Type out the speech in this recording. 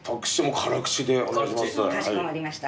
かしこまりました。